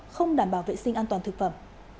không đảm bảo vệ sinh an toàn thực phẩm